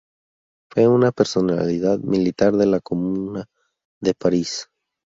Fue una personalidad militar de la Comuna de París.